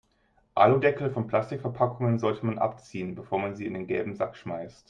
Aludeckel von Plastikverpackungen sollte man abziehen, bevor man sie in den gelben Sack schmeißt.